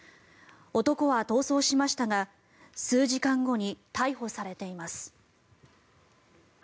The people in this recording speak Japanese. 男は逃走しましたが数時間後に逮捕されています。